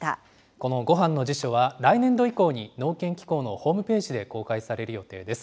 このごはんの辞書は来年度以降に農研機構のホームページで公開される予定です。